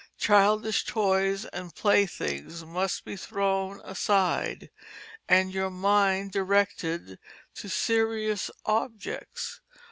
Childish toys and playthings must be thrown aside, and your mind directed to serious objects.